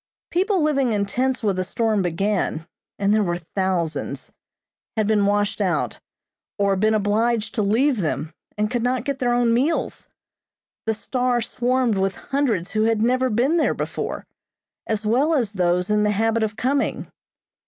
People living in tents when the storm began and there were thousands had been washed out, or been obliged to leave them, and could not get their own meals. The "Star" swarmed with hundreds who had never been there before, as well as those in the habit of coming.